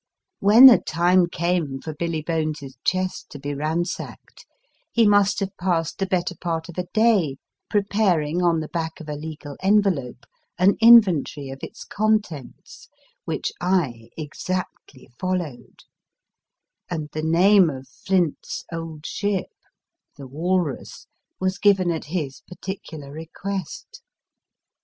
When the time came for Billy Bones s chest to be ransacked, he must have passed the better part of a day preparing, on the back of a legal envelope, an inventory of its contents, which I exactly followed ; and the name of Flint s old ship the Walrus was given at his particular request.